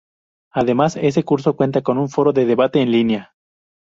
Además, ese curso cuenta con un foro de debate en línea.